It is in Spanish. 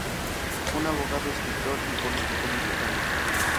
Fue un abogado, escritor y político mexicano.